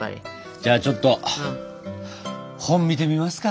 じゃあちょっと本見てみますか。